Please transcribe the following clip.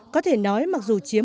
có thể nói mặc dù chiếm